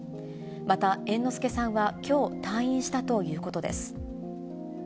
また、猿之助さんはきょう、退院したということです。